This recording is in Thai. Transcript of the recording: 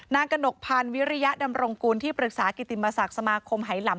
กระหนกพันธ์วิริยดำรงกุลที่ปรึกษากิติมศักดิ์สมาคมหายลำ